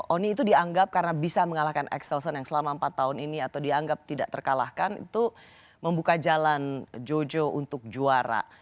oni itu dianggap karena bisa mengalahkan axelsen yang selama empat tahun ini atau dianggap tidak terkalahkan itu membuka jalan jojo untuk juara